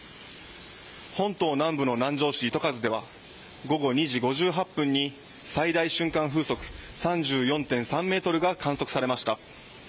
本島南部の南城市糸数では午後２時５８分に最大瞬間風速３４．３メートルが観測されました。